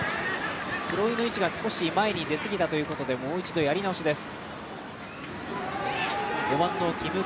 スローインの位置が少し前に出すぎたということでもう一度やり直しです。